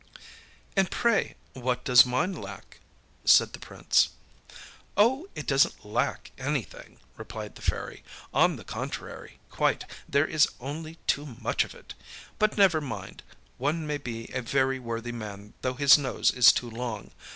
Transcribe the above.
â âAnd pray what does mine lack?â said the Prince. âOh! it doesnât lack anything,â replied the Fairy. âOn the contrary quite, there is only too much of it. But never mind, one may be a very worthy man though his nose is too long.